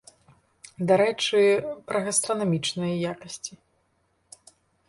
Дарэчы, пра гастранамічныя якасці.